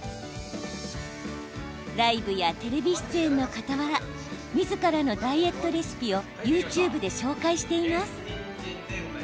ライブやテレビ出演のかたわらみずからのダイエットレシピをＹｏｕＴｕｂｅで紹介しています。